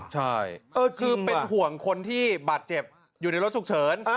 ใช่คือเป็นห่วงคนที่บาดเจ็บอยู่ในรถฉุกเฉิน